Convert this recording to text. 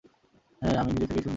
হ্যাঁ, আমি নিজে থেকেই সুন্দর।